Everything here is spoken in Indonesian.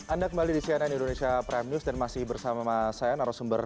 anda kembali di cnn indonesia prime news dan masih bersama saya narasumber